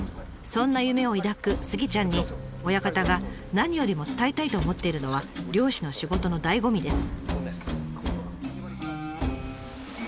そんな夢を抱くスギちゃんに親方が何よりも伝えたいと思っているのは漁師の仕事のだいご味です。